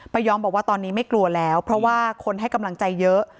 ยอมบอกว่าตอนนี้ไม่กลัวแล้วเพราะว่าคนให้กำลังใจเยอะ